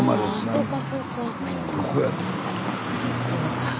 そうかそうか。